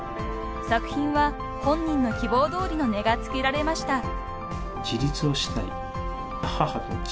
［作品は本人の希望どおりの値が付けられました］